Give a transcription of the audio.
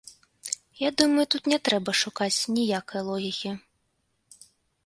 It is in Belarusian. Я думаю, тут не трэба шукаць ніякай логікі.